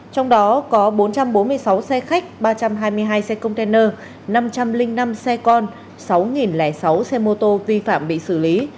trong đó có bốn trăm bốn mươi sáu xe khách ba trăm hai mươi hai xe container năm trăm linh năm xe con sáu sáu xe mô tô vi phạm bị xử lý